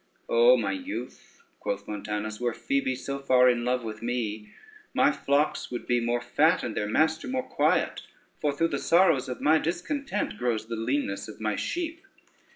"Oh, my youth," quoth Montanus, "were Phoebe so far in love with me, my flocks would be more fat and their master more quiet; for through the sorrows of my discontent grows the leanness of my sheep."